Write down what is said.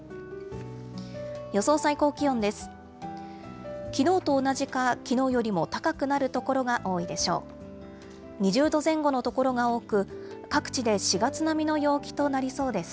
予想最高気温です。